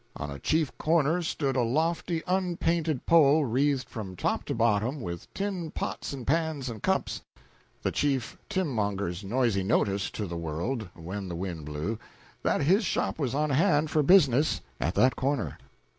On a chief corner stood a lofty unpainted pole wreathed from top to bottom with tin pots and pans and cups, the chief tinmonger's noisy notice to the world (when the wind blew) that his shop was on hand for business at that corner.